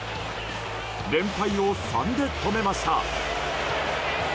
連敗を３で止めました。